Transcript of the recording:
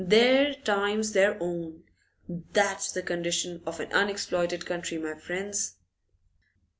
Their time's their own! That's the condition of an unexploited country, my friends!